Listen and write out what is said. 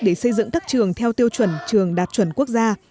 để xây dựng các trường theo tiêu chuẩn trường đạt chuẩn quốc gia